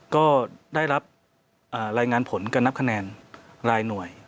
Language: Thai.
ก็ได้รับรายงานผลการนับคะแนนรายหน่วย